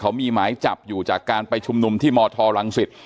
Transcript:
เขามีหมายจับอยู่จากการไปชุมนุมที่มธรังสิต